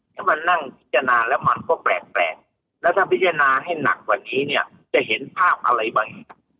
ให้มานั่งพิจารณาแล้วมันก็แปลกแล้วถ้าพิจารณาให้หนักกว่านี้เนี่ยจะเห็นภาพอะไรบ้าง